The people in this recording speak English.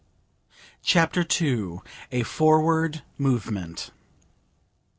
CHAPTER II A FORWARD MOVEMENT.